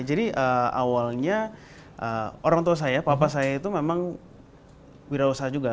jadi awalnya orang tua saya papa saya itu memang wirausaha juga